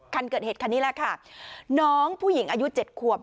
คันเกิดเหตุคันนี้แหละค่ะน้องผู้หญิงอายุ๗ขวบ